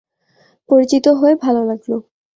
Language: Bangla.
পরিচিত হয়ে ভালো লাগল!